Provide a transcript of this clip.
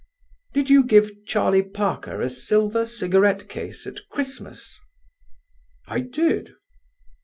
"Did you give Charlie Parker a silver cigarette case at Christmas?" "I did."